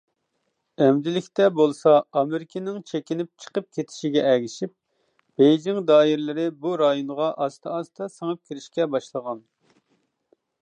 ئەمدىلىكتە بولسا ئامېرىكىنىڭ چېكىنىپ چىقىپ كېتىشىگە ئەگىشىپ، بېيجىڭ دائىرىلىرى بۇ رايونغا ئاستا-ئاستا سىڭىپ كىرىشكە باشلىغان.